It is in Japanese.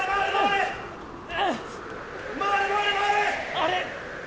あれ？